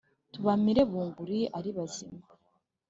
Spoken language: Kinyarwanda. Tubamire bunguri ari bazima